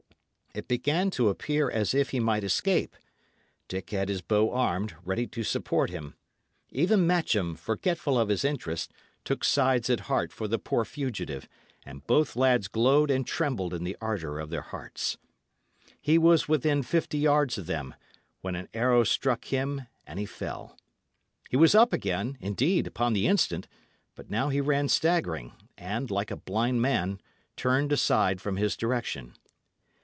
It began to appear as if he might escape. Dick had his bow armed, ready to support him; even Matcham, forgetful of his interest, took sides at heart for the poor fugitive; and both lads glowed and trembled in the ardour of their hearts. He was within fifty yards of them, when an arrow struck him and he fell. He was up again, indeed, upon the instant; but now he ran staggering, and, like a blind man, turned aside from his direction.